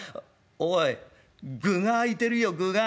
おいグが空いてるよグが。